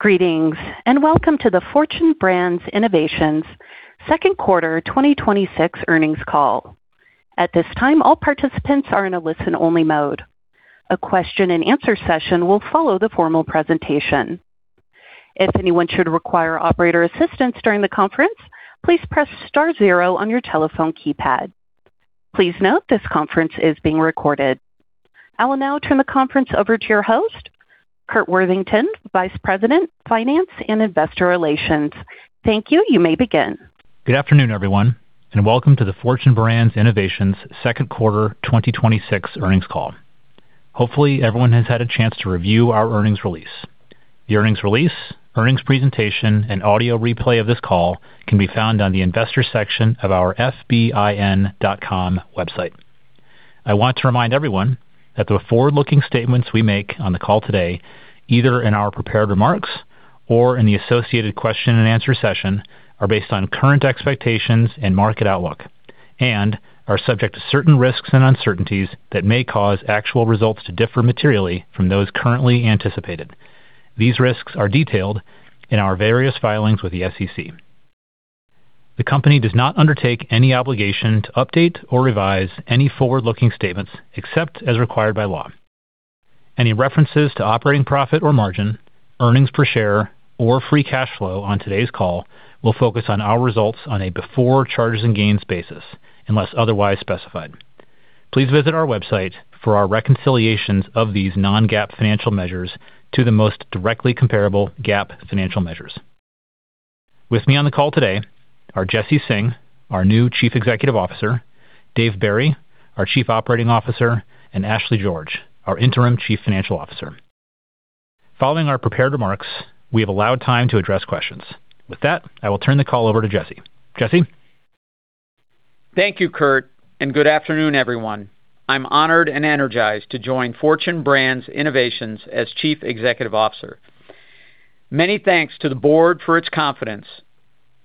Greetings, welcome to the Fortune Brands Innovations second quarter 2026 earnings call. At this time, all participants are in a listen-only mode. A question and answer session will follow the formal presentation. If anyone should require operator assistance during the conference, please press star zero on your telephone keypad. Please note this conference is being recorded. I will now turn the conference over to your host, Curt Worthington, Vice President, Finance and Investor Relations. Thank you. You may begin. Good afternoon, everyone, welcome to the Fortune Brands Innovations Second Quarter 2026 Earnings Call. Hopefully, everyone has had a chance to review our earnings release. The earnings release, earnings presentation, and audio replay of this call can be found on the Investors section of our fbin.com website. I want to remind everyone that the forward-looking statements we make on the call today, either in our prepared remarks or in the associated question and answer session, are based on current expectations and market outlook and are subject to certain risks and uncertainties that may cause actual results to differ materially from those currently anticipated. These risks are detailed in our various filings with the SEC. The company does not undertake any obligation to update or revise any forward-looking statements, except as required by law. Any references to operating profit or margin, earnings per share, or free cash flow on today's call will focus on our results on a before charges and gains basis, unless otherwise specified. Please visit our website for our reconciliations of these non-GAAP financial measures to the most directly comparable GAAP financial measures. With me on the call today are Jesse Singh, our new Chief Executive Officer, Dave Barry, our Chief Operating Officer, and Ashley George, our interim Chief Financial Officer. Following our prepared remarks, we have allowed time to address questions. With that, I will turn the call over to Jesse. Jesse? Thank you, Curt, and good afternoon, everyone. I'm honored and energized to join Fortune Brands Innovations as Chief Executive Officer. Many thanks to the board for its confidence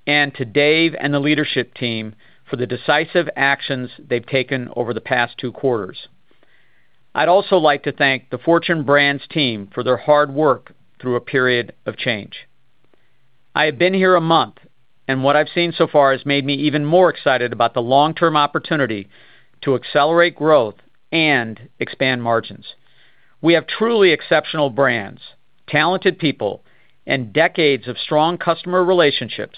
and to Dave and the leadership team for the decisive actions they've taken over the past two quarters. I'd also like to thank the Fortune Brands team for their hard work through a period of change. I have been here a month, and what I've seen so far has made me even more excited about the long-term opportunity to accelerate growth and expand margins. We have truly exceptional brands, talented people, and decades of strong customer relationships,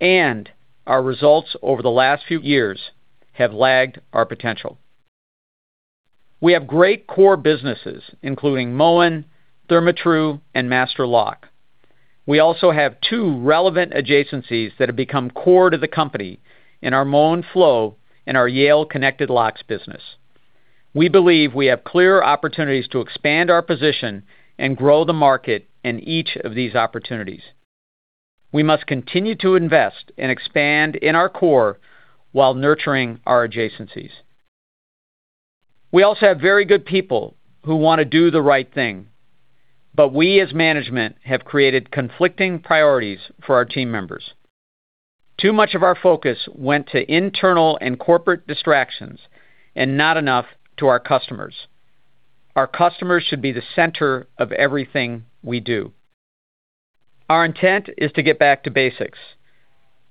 and our results over the last few years have lagged our potential. We have great core businesses, including Moen, Therma-Tru, and Master Lock. We also have two relevant adjacencies that have become core to the company in our Flo by Moen and our Yale Connected Locks business. We believe we have clear opportunities to expand our position and grow the market in each of these opportunities. We must continue to invest and expand in our core while nurturing our adjacencies. We also have very good people who want to do the right thing, but we as management have created conflicting priorities for our team members. Too much of our focus went to internal and corporate distractions and not enough to our customers. Our customers should be the center of everything we do. Our intent is to get back to basics,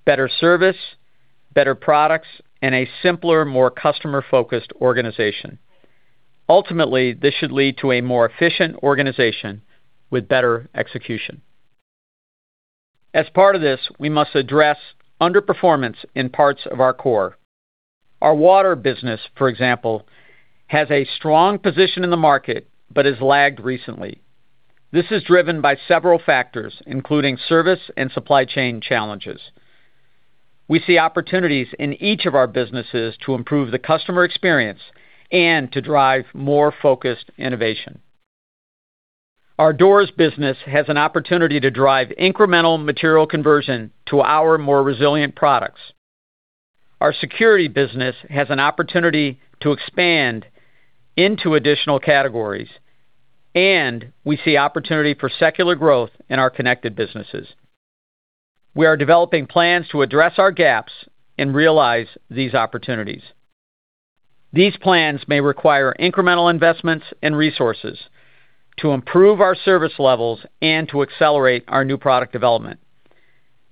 better service, better products, and a simpler, more customer-focused organization. Ultimately, this should lead to a more efficient organization with better execution. As part of this, we must address underperformance in parts of our core. Our Water business, for example, has a strong position in the market but has lagged recently. This is driven by several factors, including service and supply chain challenges. We see opportunities in each of our businesses to improve the customer experience and to drive more focused innovation. Our Doors business has an opportunity to drive incremental material conversion to our more resilient products. Our Security business has an opportunity to expand into additional categories, and we see opportunity for secular growth in our connected businesses. We are developing plans to address our gaps and realize these opportunities. These plans may require incremental investments and resources to improve our service levels and to accelerate our new product development.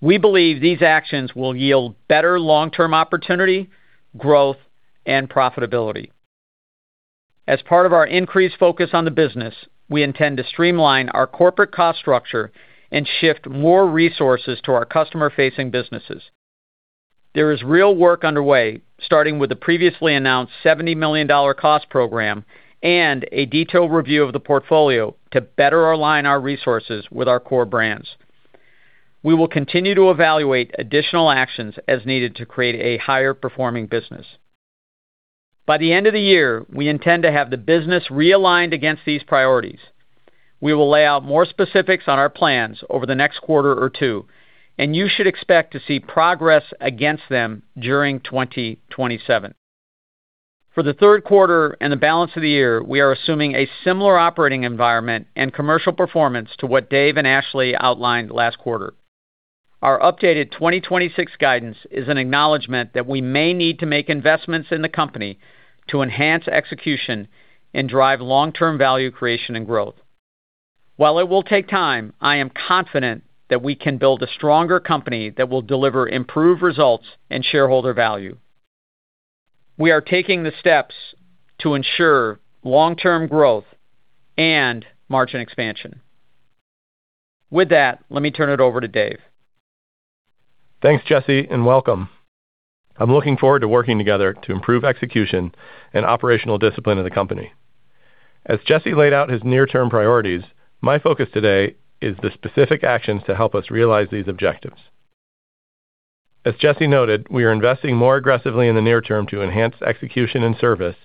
We believe these actions will yield better long-term opportunity, growth, and profitability. As part of our increased focus on the business, we intend to streamline our corporate cost structure and shift more resources to our customer-facing businesses. There is real work underway, starting with the previously announced $70 million cost program and a detailed review of the portfolio to better align our resources with our core brands. We will continue to evaluate additional actions as needed to create a higher performing business. By the end of the year, we intend to have the business realigned against these priorities. We will lay out more specifics on our plans over the next quarter or two, and you should expect to see progress against them during 2027. For the third quarter and the balance of the year, we are assuming a similar operating environment and commercial performance to what Dave and Ashley outlined last quarter. Our updated 2026 guidance is an acknowledgement that we may need to make investments in the company to enhance execution and drive long-term value creation and growth. While it will take time, I am confident that we can build a stronger company that will deliver improved results and shareholder value. We are taking the steps to ensure long-term growth and margin expansion. With that, let me turn it over to Dave. Thanks, Jesse, and welcome. I'm looking forward to working together to improve execution and operational discipline in the company. As Jesse laid out his near-term priorities, my focus today is the specific actions to help us realize these objectives. As Jesse noted, we are investing more aggressively in the near term to enhance execution and service,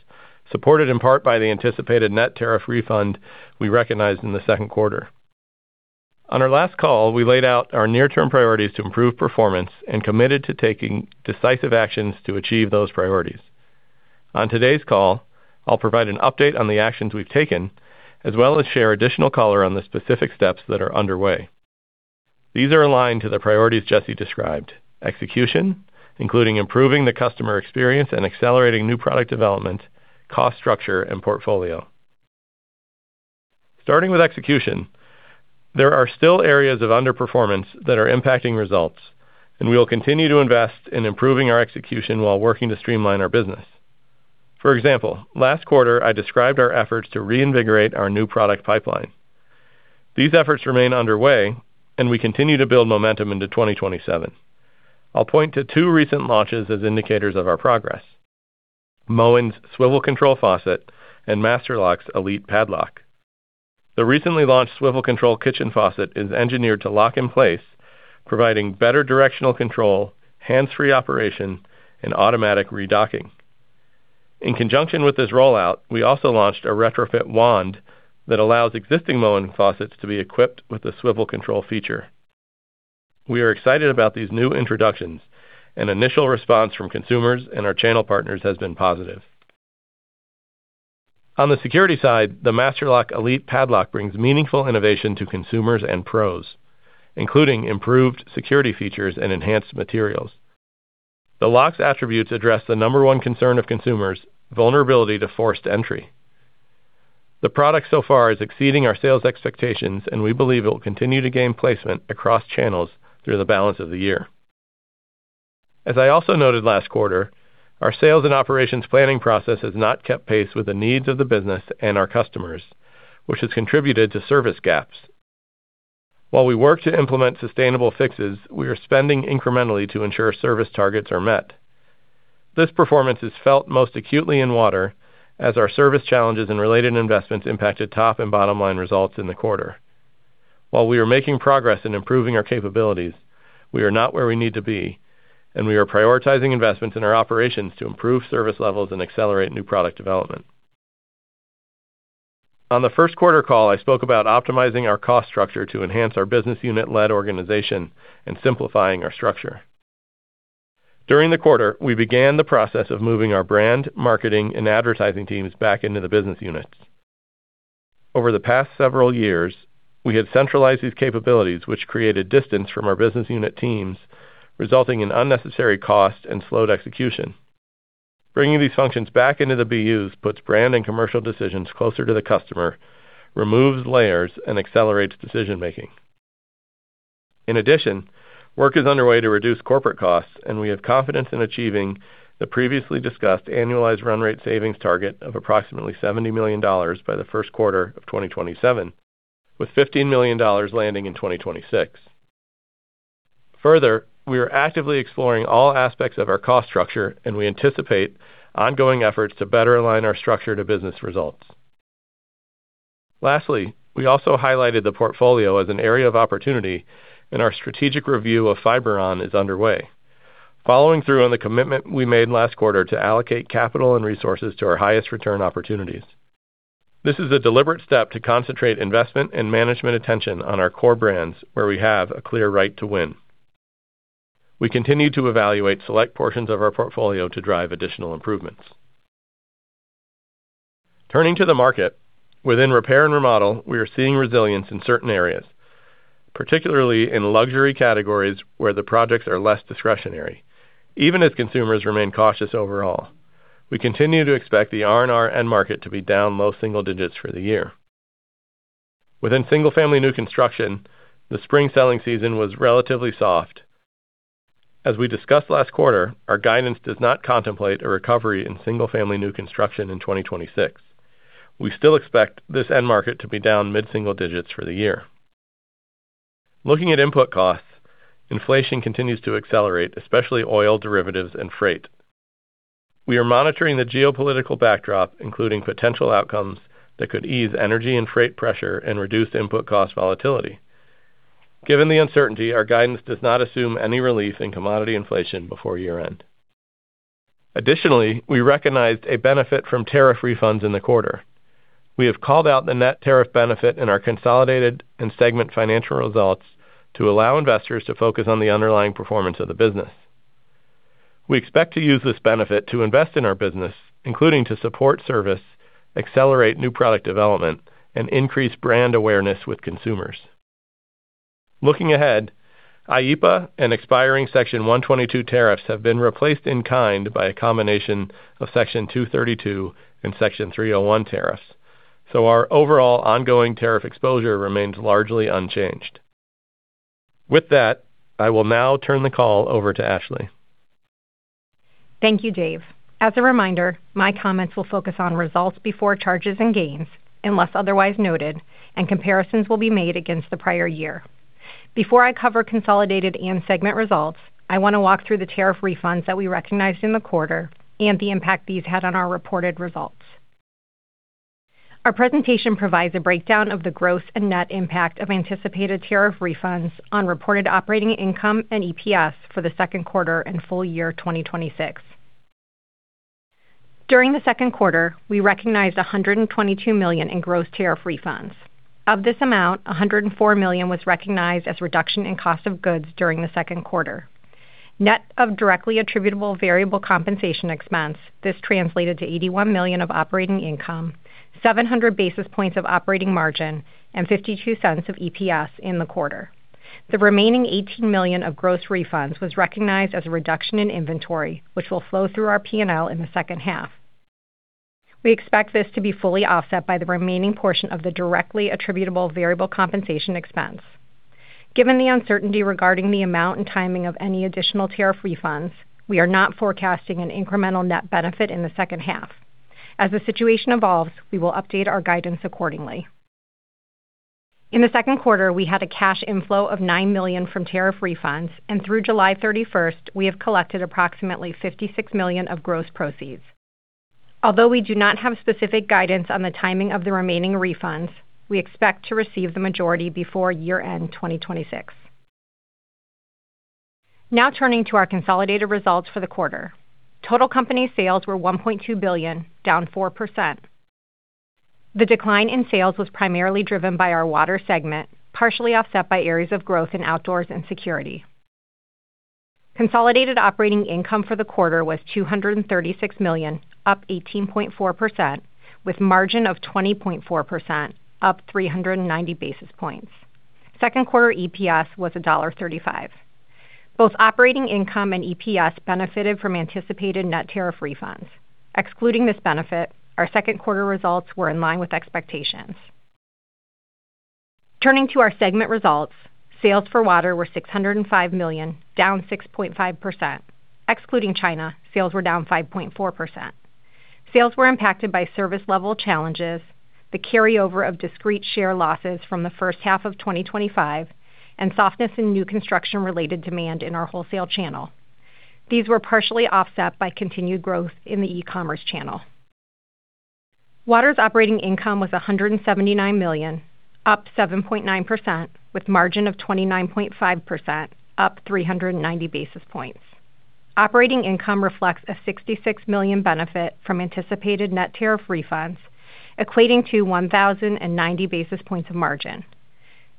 supported in part by the anticipated net tariff refund we recognized in the second quarter. On our last call, we laid out our near-term priorities to improve performance and committed to taking decisive actions to achieve those priorities. On today's call, I'll provide an update on the actions we've taken, as well as share additional color on the specific steps that are underway. These are aligned to the priorities Jesse described: execution, including improving the customer experience and accelerating new product development, cost structure, and portfolio. Starting with execution, there are still areas of underperformance that are impacting results. We will continue to invest in improving our execution while working to streamline our business. For example, last quarter, I described our efforts to reinvigorate our new product pipeline. These efforts remain underway, and we continue to build momentum into 2027. I'll point to two recent launches as indicators of our progress: Moen's SwivelControl faucet and Master Lock's Elite padlock. The recently launched SwivelControl kitchen faucet is engineered to lock in place, providing better directional control, hands-free operation, and automatic redocking. In conjunction with this rollout, we also launched a retrofit wand that allows existing Moen faucets to be equipped with the SwivelControl feature. We are excited about these new introductions, and initial response from consumers and our channel partners has been positive. On the Security side, the Master Lock Elite padlock brings meaningful innovation to consumers and pros, including improved security features and enhanced materials. The lock's attributes address the number one concern of consumers: vulnerability to forced entry. The product so far is exceeding our sales expectations. We believe it will continue to gain placement across channels through the balance of the year. As I also noted last quarter, our sales and operations planning process has not kept pace with the needs of the business and our customers, which has contributed to service gaps. While we work to implement sustainable fixes, we are spending incrementally to ensure service targets are met. This performance is felt most acutely in Water, as our service challenges and related investments impacted top and bottom-line results in the quarter. While we are making progress in improving our capabilities, we are not where we need to be. We are prioritizing investments in our operations to improve service levels and accelerate new product development. On the first quarter call, I spoke about optimizing our cost structure to enhance our business unit-led organization and simplifying our structure. During the quarter, we began the process of moving our brand, marketing, and advertising teams back into the business units. Over the past several years, we had centralized these capabilities, which created distance from our business unit teams, resulting in unnecessary cost and slowed execution. Bringing these functions back into the BUs puts brand and commercial decisions closer to the customer, removes layers, and accelerates decision-making. In addition, work is underway to reduce corporate costs, and we have confidence in achieving the previously discussed annualized run rate savings target of approximately $70 million by the first quarter of 2027, with $15 million landing in 2026. Further, we are actively exploring all aspects of our cost structure, and we anticipate ongoing efforts to better align our structure to business results. Lastly, we also highlighted the portfolio as an area of opportunity, and our strategic review of Fiberon is underway, following through on the commitment we made last quarter to allocate capital and resources to our highest return opportunities. This is a deliberate step to concentrate investment and management attention on our core brands where we have a clear right to win. We continue to evaluate select portions of our portfolio to drive additional improvements. Turning to the market, within Repair and Remodel, we are seeing resilience in certain areas, particularly in luxury categories where the projects are less discretionary, even as consumers remain cautious overall. We continue to expect the R&R end market to be down low single digits for the year. Within single-family new construction, the spring selling season was relatively soft. As we discussed last quarter, our guidance does not contemplate a recovery in single-family new construction in 2026. We still expect this end market to be down mid-single digits for the year. Looking at input costs, inflation continues to accelerate, especially oil derivatives and freight. We are monitoring the geopolitical backdrop, including potential outcomes that could ease energy and freight pressure and reduce input cost volatility. Given the uncertainty, our guidance does not assume any relief in commodity inflation before year-end. Additionally, we recognized a benefit from tariff refunds in the quarter. We have called out the net tariff benefit in our consolidated and segment financial results to allow investors to focus on the underlying performance of the business. We expect to use this benefit to invest in our business, including to support service, accelerate new product development, and increase brand awareness with consumers. Looking ahead, IEEPA and expiring Section 122 tariffs have been replaced in kind by a combination of Section 232 and Section 301 tariffs. Our overall ongoing tariff exposure remains largely unchanged. With that, I will now turn the call over to Ashley. Thank you, Dave. As a reminder, my comments will focus on results before charges and gains, unless otherwise noted, and comparisons will be made against the prior year. Before I cover consolidated and segment results, I want to walk through the tariff refunds that we recognized in the quarter and the impact these had on our reported results. Our presentation provides a breakdown of the gross and net impact of anticipated tariff refunds on reported operating income and EPS for the second quarter and full year 2026. During the second quarter, we recognized $122 million in gross tariff refunds. Of this amount, $104 million was recognized as reduction in cost of goods during the second quarter. Net of directly attributable variable compensation expense, this translated to $81 million of operating income, 700 basis points of operating margin, and $0.52 of EPS in the quarter. The remaining $18 million of gross refunds was recognized as a reduction in inventory, which will flow through our P&L in the second half. We expect this to be fully offset by the remaining portion of the directly attributable variable compensation expense. Given the uncertainty regarding the amount and timing of any additional tariff refunds, we are not forecasting an incremental net benefit in the second half. As the situation evolves, we will update our guidance accordingly. In the second quarter, we had a cash inflow of $9 million from tariff refunds, and through July 31st, we have collected approximately $56 million of gross proceeds. Although we do not have specific guidance on the timing of the remaining refunds, we expect to receive the majority before year-end 2026. Turning to our consolidated results for the quarter. Total company sales were $1.2 billion, down 4%. The decline in sales was primarily driven by our Water segment, partially offset by areas of growth in Outdoors and Security. Consolidated operating income for the quarter was $236 million, up 18.4%, with margin of 20.4%, up 390 basis points. Second quarter EPS was $1.35. Both operating income and EPS benefited from anticipated net tariff refunds. Excluding this benefit, our second quarter results were in line with expectations. Turning to our segment results, sales for Water were $605 million, down 6.5%. Excluding China, sales were down 5.4%. Sales were impacted by service level challenges, the carryover of discrete share losses from the first half of 2025, and softness in new construction related demand in our wholesale channel. These were partially offset by continued growth in the e-commerce channel. Water's operating income was $179 million, up 7.9%, with margin of 29.5%, up 390 basis points. Operating income reflects a $66 million benefit from anticipated net tariff refunds, equating to 1,090 basis points of margin.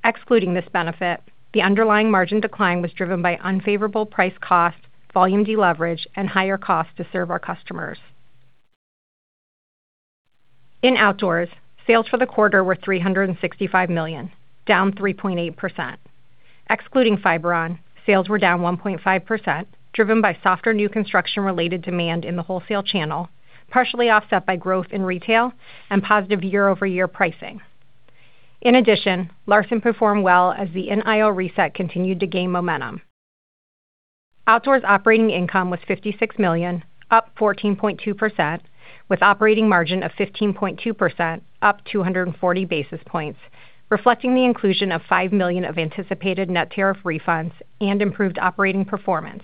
Excluding this benefit, the underlying margin decline was driven by unfavorable price cost, volume deleverage, and higher cost to serve our customers. In Outdoors, sales for the quarter were $365 million, down 3.8%. Excluding Fiberon, sales were down 1.5%, driven by softer new construction related demand in the wholesale channel, partially offset by growth in retail and positive year-over-year pricing. In addition, Larson performed well as the NIL reset continued to gain momentum. Outdoors operating income was $56 million, up 14.2%, with operating margin of 15.2%, up 240 basis points, reflecting the inclusion of $5 million of anticipated net tariff refunds and improved operating performance.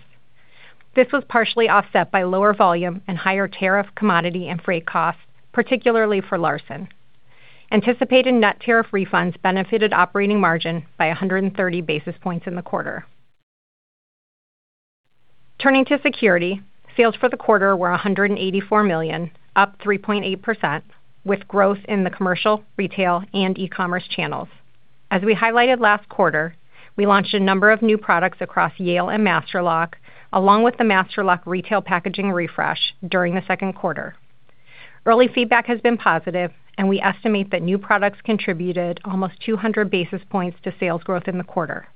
This was partially offset by lower volume and higher tariff commodity and freight costs, particularly for Larson. Anticipated net tariff refunds benefited operating margin by 130 basis points in the quarter. Turning to Security, sales for the quarter were $184 million, up 3.8%, with growth in the commercial, retail, and e-commerce channels. As we highlighted last quarter, we launched a number of new products across Yale and Master Lock, along with the Master Lock retail packaging refresh during the second quarter. Early feedback has been positive and we estimate that new products contributed almost 200 basis points to sales growth in the quarter.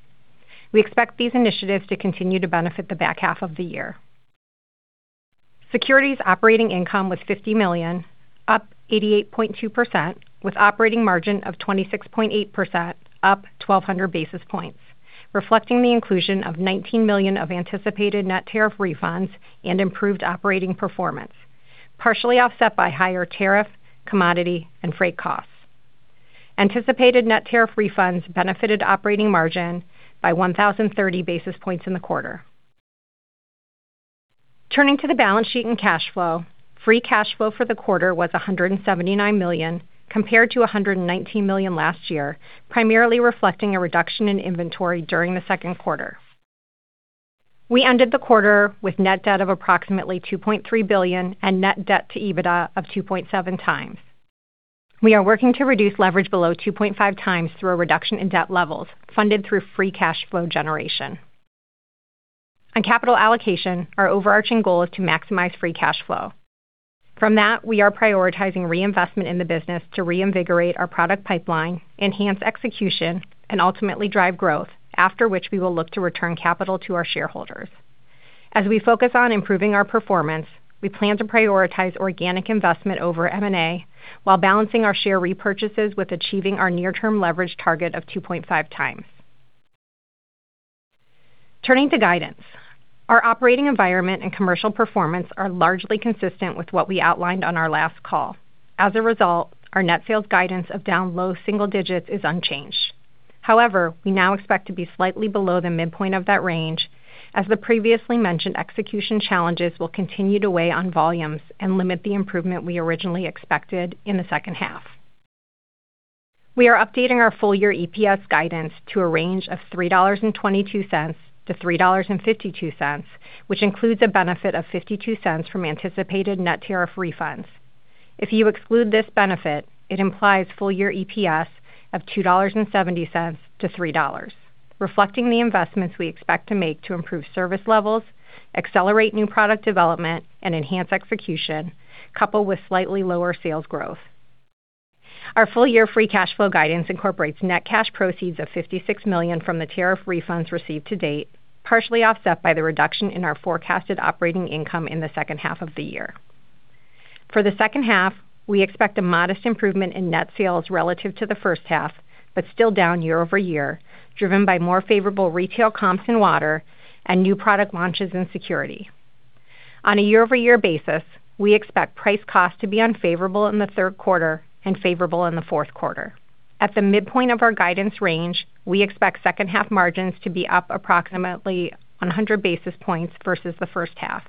We expect these initiatives to continue to benefit the back half of the year. Security's operating income was $50 million, up 88.2%, with operating margin of 26.8%, up 1,200 basis points, reflecting the inclusion of $19 million of anticipated net tariff refunds and improved operating performance, partially offset by higher tariff, commodity, and freight costs. Anticipated net tariff refunds benefited operating margin by 1,030 basis points in the quarter. Turning to the balance sheet and cash flow, free cash flow for the quarter was $179 million, compared to $119 million last year, primarily reflecting a reduction in inventory during the second quarter. We ended the quarter with net debt of approximately $2.3 billion and net debt to EBITDA of 2.7 times. We are working to reduce leverage below 2.5 times through a reduction in debt levels funded through free cash flow generation. On capital allocation, our overarching goal is to maximize free cash flow. From that, we are prioritizing reinvestment in the business to reinvigorate our product pipeline, enhance execution, and ultimately drive growth, after which we will look to return capital to our shareholders. As we focus on improving our performance, we plan to prioritize organic investment over M&A while balancing our share repurchases with achieving our near-term leverage target of 2.5 times. Turning to guidance, our operating environment and commercial performance are largely consistent with what we outlined on our last call. As a result, our net sales guidance of down low single digits is unchanged. However, we now expect to be slightly below the midpoint of that range, as the previously mentioned execution challenges will continue to weigh on volumes and limit the improvement we originally expected in the second half. We are updating our full-year EPS guidance to a range of $3.22-$3.52, which includes a benefit of $0.52 from anticipated net tariff refunds. If you exclude this benefit, it implies full-year EPS of $2.70-$3, reflecting the investments we expect to make to improve service levels, accelerate new product development, and enhance execution, coupled with slightly lower sales growth. Our full-year free cash flow guidance incorporates net cash proceeds of $56 million from the tariff refunds received to date, partially offset by the reduction in our forecasted operating income in the second half of the year. For the second half, we expect a modest improvement in net sales relative to the first half, but still down year-over-year, driven by more favorable retail comps in Water and new product launches in Security. On a year-over-year basis, we expect price cost to be unfavorable in the third quarter and favorable in the fourth quarter. At the midpoint of our guidance range, we expect second half margins to be up approximately 100 basis points versus the first half.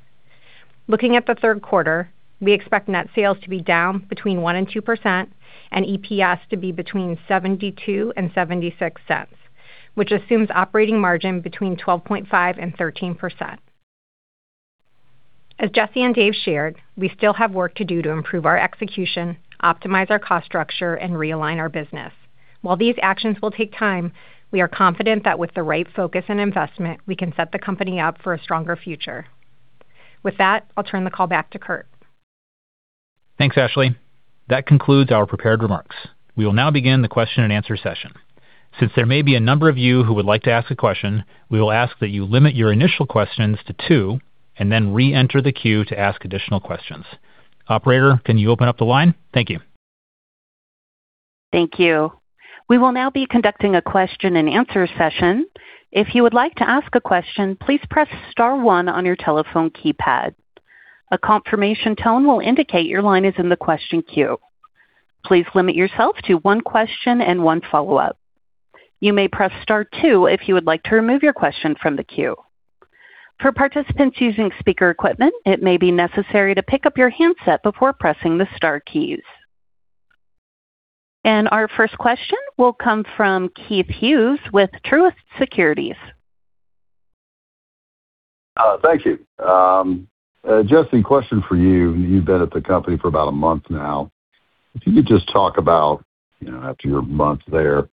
Looking at the third quarter, we expect net sales to be down between 1% and 2% and EPS to be between $0.72-$0.76, which assumes operating margin between 12.5% and 13%. As Jesse and Dave shared, we still have work to do to improve our execution, optimize our cost structure, and realign our business. While these actions will take time, we are confident that with the right focus and investment, we can set the company up for a stronger future. With that, I'll turn the call back to Curt. Thanks, Ashley. That concludes our prepared remarks. We will now begin the question and answer session. Since there may be a number of you who would like to ask a question, we will ask that you limit your initial questions to two, then reenter the queue to ask additional questions. Operator, can you open up the line? Thank you. Thank you. We will now be conducting a question and answer session. If you would like to ask a question, please press star one on your telephone keypad. A confirmation tone will indicate your line is in the question queue. Please limit yourself to one question and one follow-up. You may press star two if you would like to remove your question from the queue. For participants using speaker equipment, it may be necessary to pick up your handset before pressing the star keys. Our first question will come from Keith Hughes with Truist Securities. Thank you. Jesse, question for you. You've been at the company for about a month now. If you could just talk about, after your month there,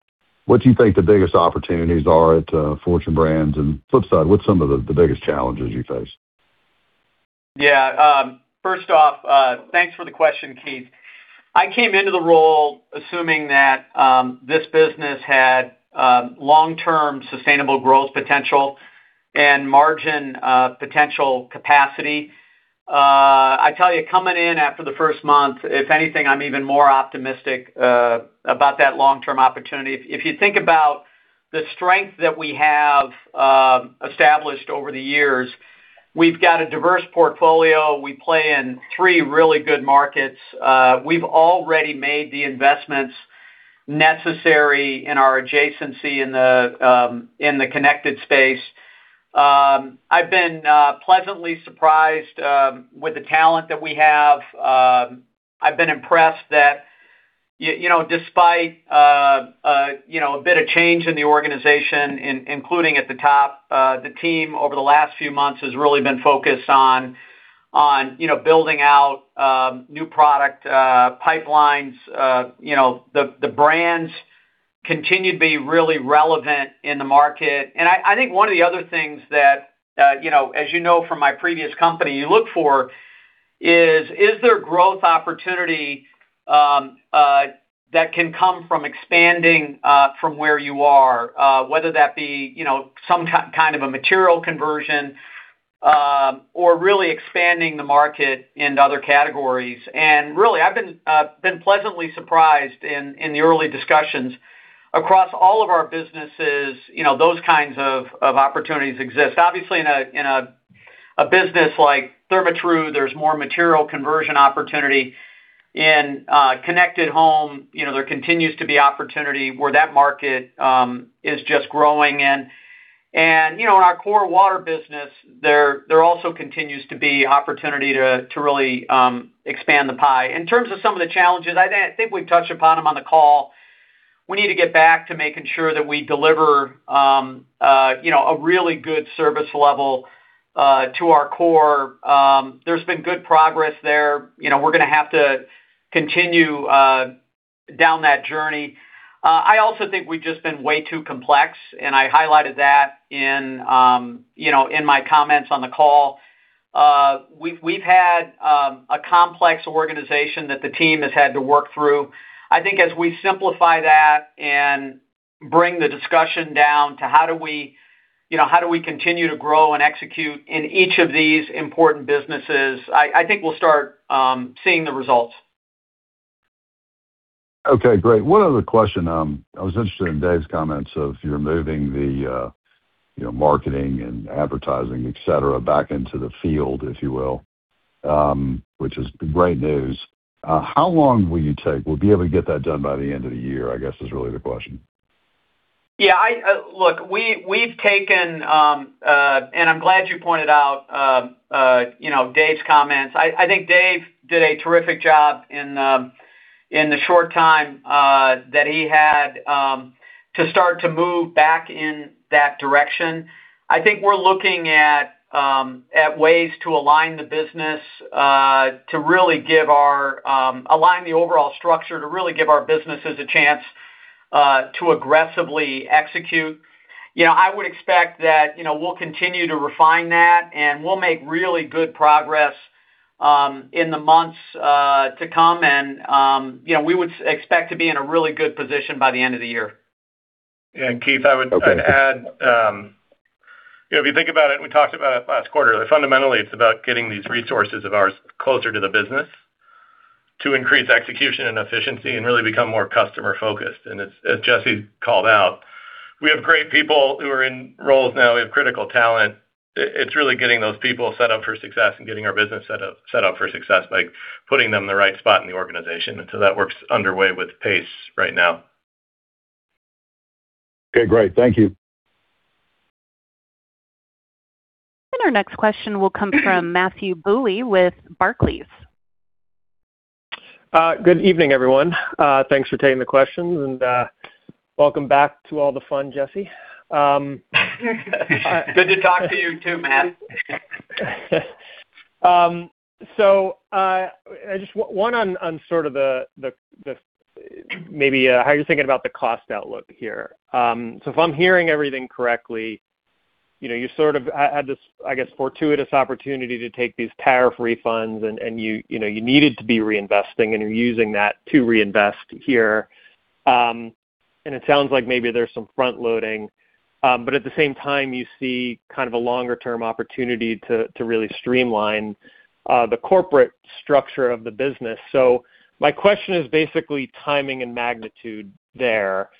what you think the biggest opportunities are at Fortune Brands, and flip side, what's some of the biggest challenges you face? Yeah. First off, thanks for the question, Keith. I came into the role assuming that this business had long-term sustainable growth potential and margin potential capacity. I tell you, coming in after the first month, if anything, I'm even more optimistic about that long-term opportunity. If you think about the strength that we have established over the years, we've got a diverse portfolio. We play in three really good markets. We've already made the investments necessary in our adjacency in the connected space. I've been pleasantly surprised with the talent that we have. I've been impressed that despite a bit of change in the organization, including at the top, the team over the last few months has really been focused on building out new product pipelines. The brands continue to be really relevant in the market. I think one of the other things that, as you know from my previous company, you look for is there growth opportunity that can come from expanding from where you are? Whether that be some kind of a material conversion or really expanding the market into other categories. Really, I've been pleasantly surprised in the early discussions across all of our businesses, those kinds of opportunities exist. Obviously, in a business like Therma-Tru, there's more material conversion opportunity. In Connected Home, there continues to be opportunity where that market is just growing. In our core water business, there also continues to be opportunity to really expand the pie. In terms of some of the challenges, I think we've touched upon them on the call. We need to get back to making sure that we deliver a really good service level to our core. There's been good progress there. We're going to have to continue down that journey. I also think we've just been way too complex. I highlighted that in my comments on the call. We've had a complex organization that the team has had to work through. I think as we simplify that and bring the discussion down to how do we continue to grow and execute in each of these important businesses, I think we'll start seeing the results. Okay, great. One other question. I was interested in Dave's comments of you're moving the marketing and advertising, et cetera, back into the field, if you will, which is great news. How long will you take? Will you be able to get that done by the end of the year, I guess, is really the question. Yeah. Look, I'm glad you pointed out Dave's comments. I think Dave did a terrific job in the short time that he had to start to move back in that direction. I think we're looking at ways to align the business to really align the overall structure to really give our businesses a chance to aggressively execute. I would expect that we'll continue to refine that. We'll make really good progress in the months to come. We would expect to be in a really good position by the end of the year. Keith, I would add. Okay. If you think about it, we talked about it last quarter. Fundamentally, it's about getting these resources of ours closer to the business to increase execution and efficiency and really become more customer-focused. As Jesse called out, we have great people who are in roles now. We have critical talent. It's really getting those people set up for success and getting our business set up for success by putting them in the right spot in the organization. So that work's underway with pace right now. Okay, great. Thank you. Our next question will come from Matthew Bouley with Barclays. Good evening, everyone. Thanks for taking the questions, and welcome back to all the fun, Jesse. Good to talk to you too, Matt. Just one on sort of the maybe how you're thinking about the cost outlook here. If I'm hearing everything correctly, you sort of had this, I guess, fortuitous opportunity to take these tariff refunds, you needed to be reinvesting, you're using that to reinvest here. It sounds like maybe there's some front-loading. At the same time, you see kind of a longer-term opportunity to really streamline the corporate structure of the business. My question is basically timing and magnitude there.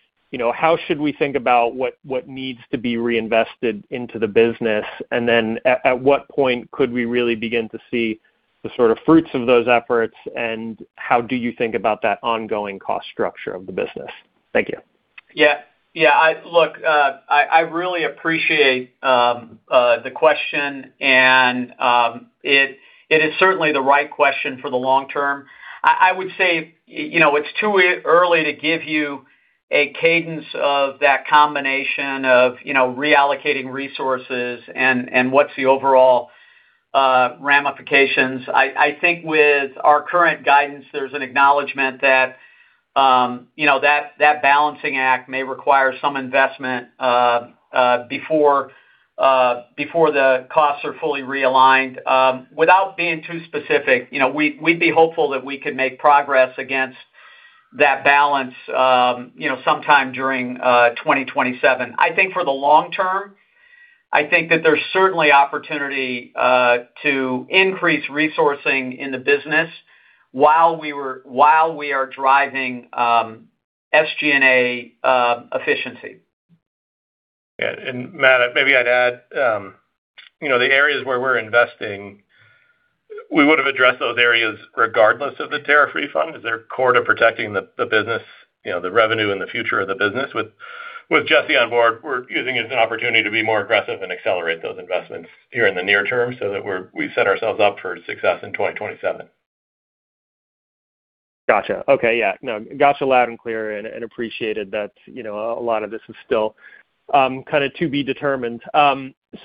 How should we think about what needs to be reinvested into the business? At what point could we really begin to see the sort of fruits of those efforts, and how do you think about that ongoing cost structure of the business? Thank you. Yeah. Look, I really appreciate the question, it is certainly the right question for the long term. I would say it's too early to give you a cadence of that combination of reallocating resources and what's the overall ramifications. I think with our current guidance, there's an acknowledgment that balancing act may require some investment before the costs are fully realigned. Without being too specific, we'd be hopeful that we could make progress against that balance sometime during 2027. I think for the long term, I think that there's certainly opportunity to increase resourcing in the business while we are driving SG&A efficiency. Yeah. Matt, maybe I'd add the areas where we're investing, we would have addressed those areas regardless of the tariff refund, as they're core to protecting the business, the revenue, and the future of the business. With Jesse on board, we're using it as an opportunity to be more aggressive and accelerate those investments here in the near term so that we set ourselves up for success in 2027. Got you. Okay, yeah. No, got you loud and clear and appreciated that a lot of this is still kind of to be determined.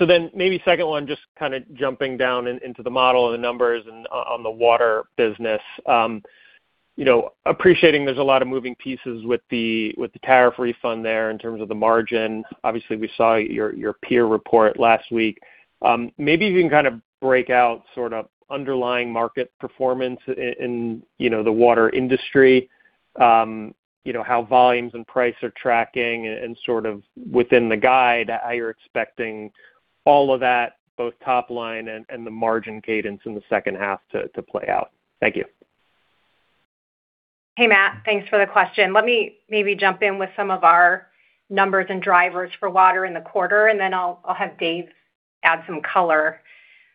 Maybe second one, just kind of jumping down into the model and the numbers and on the water business. Appreciating there's a lot of moving pieces with the tariff refund there in terms of the margin. Obviously, we saw your peer report last week. Maybe you can kind of break out sort of underlying market performance in the water industry. How volumes and price are tracking and sort of within the guide, how you're expecting all of that, both top line and the margin cadence in the second half to play out. Thank you. Hey, Matt. Thanks for the question. Let me maybe jump in with some of our numbers and drivers for water in the quarter, then I'll have Dave add some color.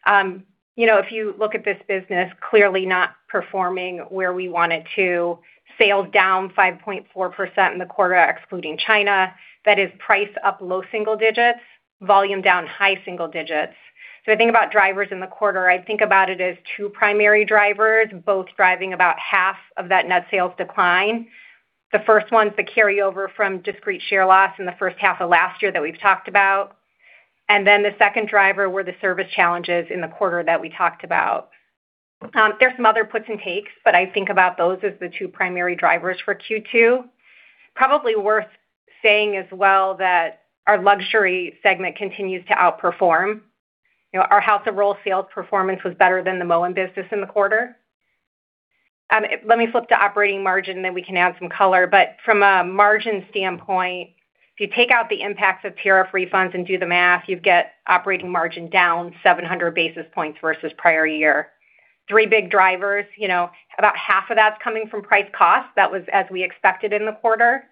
If you look at this business, clearly not performing where we want it to. Sales down 5.4% in the quarter, excluding China. That is price up low single digits, volume down high single digits. I think about drivers in the quarter, I think about it as two primary drivers, both driving about half of that net sales decline. The first one is the carryover from discrete share loss in the first half of last year that we've talked about. The second driver were the service challenges in the quarter that we talked about. There's some other puts and takes, but I think about those as the two primary drivers for Q2. Probably worth saying as well that our luxury segment continues to outperform. Our House of Rohl sales performance was better than the Moen business in the quarter. Let me flip to operating margin, we can add some color. From a margin standpoint, if you take out the impacts of tariff refunds and do the math, you get operating margin down 700 basis points versus prior year. Three big drivers. About half of that's coming from price cost. That was as we expected in the quarter.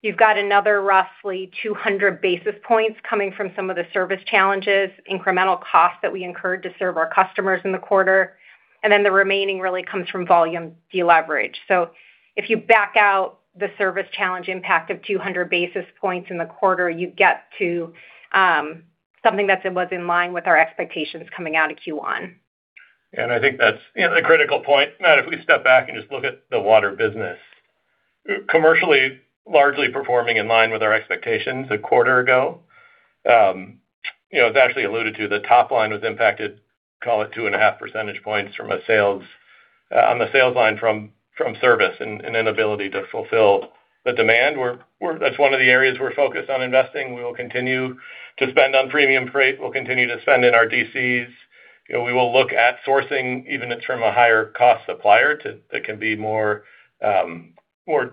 You've got another roughly 200 basis points coming from some of the service challenges, incremental costs that we incurred to serve our customers in the quarter. The remaining really comes from volume de-leverage. If you back out the service challenge impact of 200 basis points in the quarter, you get to something that was in line with our expectations coming out of Q1. I think that's a critical point. Matt, if we step back and just look at the Water business. Commercially, largely performing in line with our expectations a quarter ago. As Ashley alluded to, the top line was impacted, call it two and a half percentage points on the sales line from service and inability to fulfill the demand. That's one of the areas we're focused on investing. We will continue to spend on premium freight. We'll continue to spend in our DCs. We will look at sourcing, even if it's from a higher cost supplier that can be more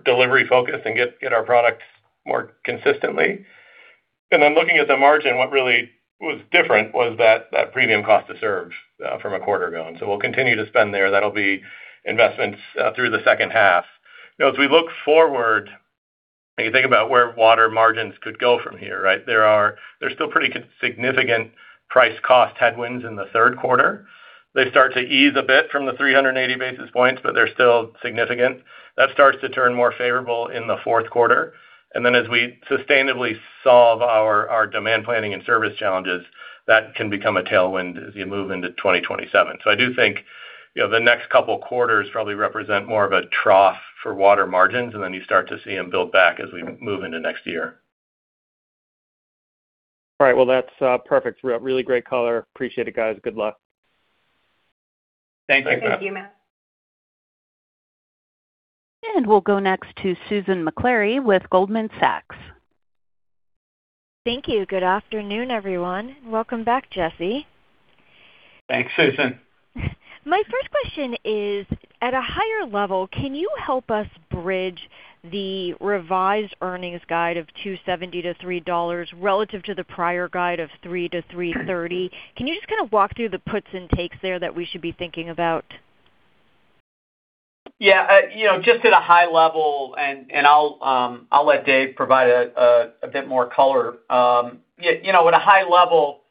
delivery focused and get our products more consistently. Looking at the margin, what really was different was that premium cost to serve from a quarter ago. We'll continue to spend there. That'll be investments through the second half. As we look forward and you think about where Water margins could go from here, right? There's still pretty significant price cost headwinds in the third quarter. They start to ease a bit from the 380 basis points, but they're still significant. That starts to turn more favorable in the fourth quarter. As we sustainably solve our demand planning and service challenges, that can become a tailwind as you move into 2027. I do think the next couple quarters probably represent more of a trough for Water margins, and then you start to see them build back as we move into next year. All right. Well, that's perfect. Really great color. Appreciate it, guys. Good luck. Thank you. Thank you, Matt. We'll go next to Susan Maklari with Goldman Sachs. Thank you. Good afternoon, everyone. Welcome back, Jesse. Thanks, Susan. My first question is, at a higher level, can you help us bridge the revised earnings guide of $2.70-$3 relative to the prior guide of $3-$3.30? Can you just kind of walk through the puts and takes there that we should be thinking about? Yeah. Just at a high level, and I'll let Dave provide a bit more color. At a high level,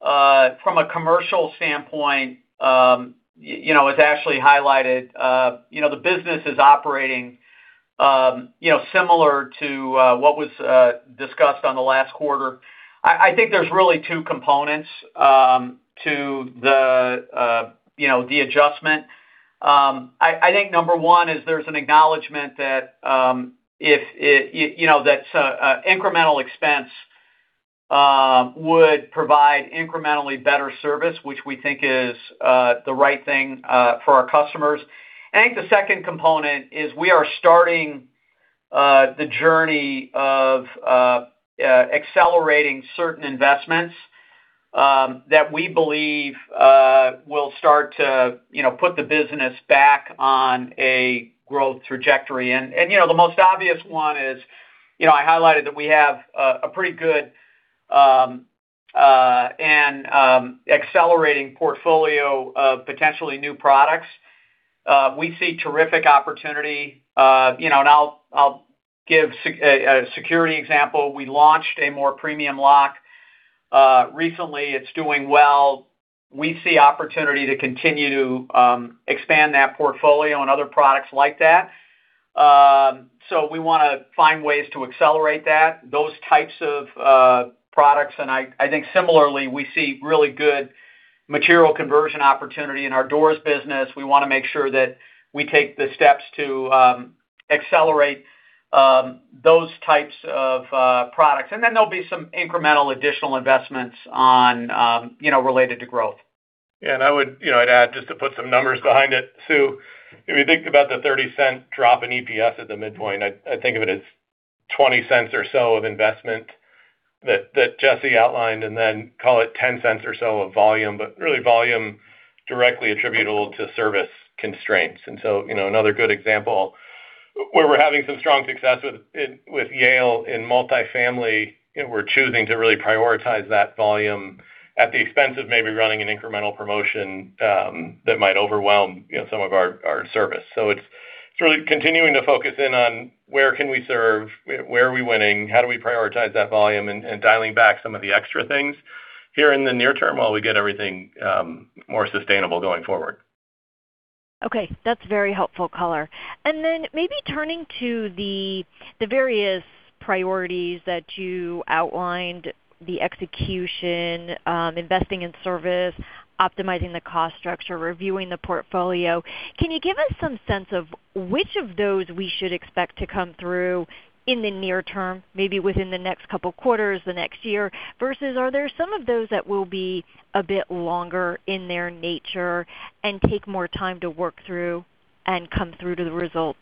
from a commercial standpoint, as Ashley highlighted, the business is operating similar to what was discussed on the last quarter. I think there's really two components to the adjustment. I think number one is there's an acknowledgment that incremental expense would provide incrementally better service, which we think is the right thing for our customers. I think the second component is we are starting the journey of accelerating certain investments that we believe will start to put the business back on a growth trajectory. The most obvious one is, I highlighted that we have a pretty good and accelerating portfolio of potentially new products. We see terrific opportunity, and I'll give a Security example. We launched a more premium lock recently. It's doing well. We see opportunity to continue to expand that portfolio and other products like that. We want to find ways to accelerate that, those types of products. I think similarly, we see really good material conversion opportunity in our doors business. We want to make sure that we take the steps to accelerate those types of products. Then there'll be some incremental additional investments related to growth. Yeah, I'd add, just to put some numbers behind it, Sue, if you think about the $0.30 drop in EPS at the midpoint, I think of it as $0.20 or so of investment that Jesse outlined, and then call it $0.10 or so of volume, but really volume directly attributable to service constraints. Another good example where we're having some strong success with Yale in multifamily, we're choosing to really prioritize that volume at the expense of maybe running an incremental promotion that might overwhelm some of our service. It's really continuing to focus in on where can we serve, where are we winning, how do we prioritize that volume, and dialing back some of the extra things here in the near term while we get everything more sustainable going forward. Okay. That's very helpful color. Maybe turning to the various priorities that you outlined, the execution, investing in service, optimizing the cost structure, reviewing the portfolio. Can you give us some sense of which of those we should expect to come through in the near term, maybe within the next couple quarters, the next year, versus are there some of those that will be a bit longer in their nature and take more time to work through and come through to the results?